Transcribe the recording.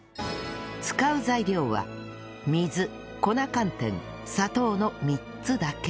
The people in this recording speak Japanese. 使う材料は水粉寒天砂糖の３つだけ